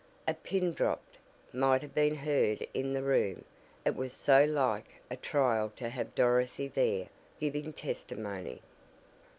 A pin, dropped, might have been heard in the room. It was so like a trial to have Dorothy there "giving testimony."